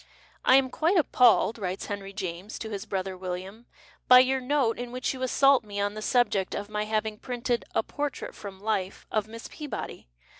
" I am quite appalled," writes Henry James to iiis brother William, " by your note in which you assault me on the subject of my having painted a ' portrait from life ' of Miss Peabody